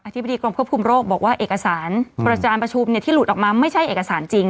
ธิบดีกรมควบคุมโรคบอกว่าเอกสารประชุมที่หลุดออกมาไม่ใช่เอกสารจริง